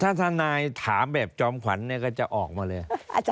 ถ้าทนายถามแบบจอมขวัญเนี่ยก็จะออกมาเลย